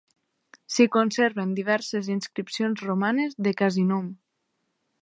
S'hi conserven diverses inscripcions romanes de Casinum.